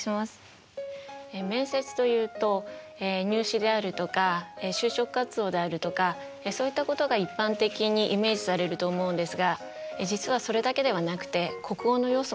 面接というと入試であるとか就職活動であるとかそういったことが一般的にイメージされると思うんですが実はそれだけではなくて国語の要素も含まれているんですね。